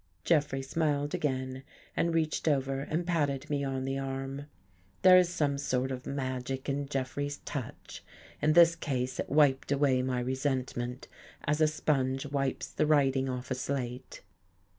Jeffrey smiled again and reached over and patted me on the arm. There is some sort of magic in Jeffrey's touch. In this case it wiped away my resentment as a sponge wipes the writing off a slate.